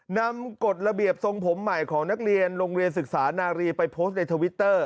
กฎระเบียบทรงผมใหม่ของนักเรียนโรงเรียนศึกษานารีไปโพสต์ในทวิตเตอร์